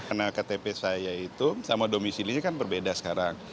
karena ktp saya itu sama domisi ini kan berbeda sekarang